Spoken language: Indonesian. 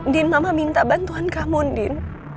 din mama minta bantuan kamu din